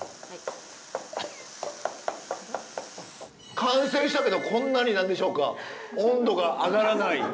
完成したけどこんなに何でしょうか温度が上がらない。